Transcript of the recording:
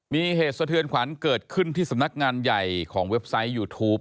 มีเหตุสะเทือนขวัญเกิดขึ้นที่สำนักงานใหญ่ของเว็บไซต์ยูทูป